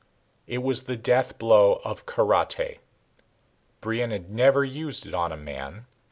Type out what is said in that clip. It was the death blow of kara te. Brion had never used it on a man.